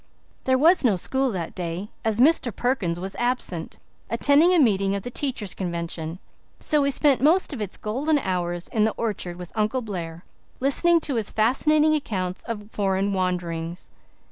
There was no school that day, as Mr. Perkins was absent, attending a meeting of the Teachers' Convention, so we spent most of its golden hours in the orchard with Uncle Blair, listening to his fascinating accounts of foreign wanderings.